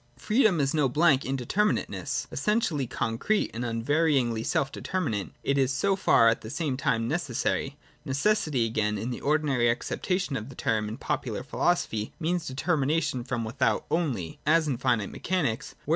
Freedom is no blank indeterminateness : essentially concrete, and unvaryingly self determinate, it is so far at the same time necessary. Necessity, again, in the ordinary! acceptation of the term in popular philosophy, means deter J mination from without only, —as in finite mechanics, where!